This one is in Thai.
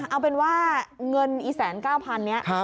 เอาเป็นว่าเงินอี๑๙๐๐เนี่ย